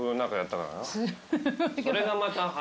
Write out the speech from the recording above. それがまた。